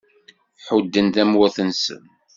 Ḥudden tamurt-nsen.